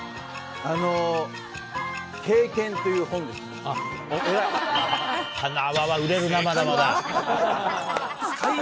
あの、経験という本で偉い。